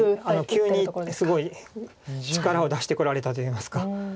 急にすごい力を出してこられたといいますか。